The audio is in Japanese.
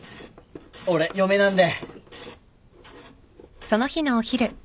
俺嫁なんで。